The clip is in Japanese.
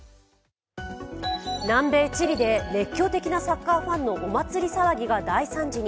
南米チリで熱狂的なサッカーファンのお祭り騒ぎが大惨事に。